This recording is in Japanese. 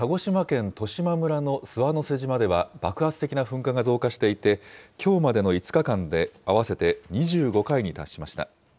鹿児島県としま村の諏訪之瀬島では、爆発的が噴火が増加していて、きょうまでの５日間で合わせて２５回に達しました。